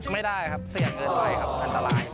ไม่ได้ครับเสี่ยงเกินไปครับอันตราย